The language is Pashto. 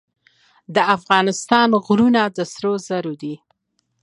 د افغانستان غرونه د سرو زرو دي